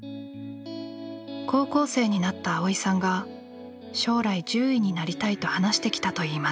高校生になった蒼依さんが将来獣医になりたいと話してきたといいます。